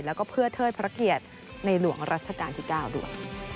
แล้วก็เพื่อเทิดพระเกียรติในหลวงรัชกาลที่๙ด้วย